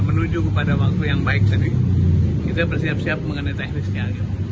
menuju kepada waktu yang baik jadi kita bersiap siap mengenai teknisnya